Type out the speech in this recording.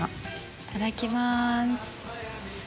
いただきます。